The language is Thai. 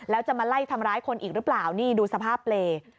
แล้วจะมาไล่ทำร้ายคนอีกหรือเปล่านี่ดูสภาพเปรย์